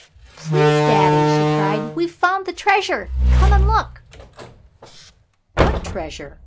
"Please, daddy," she cried, "we've found the treasure. Come and look." "What treasure?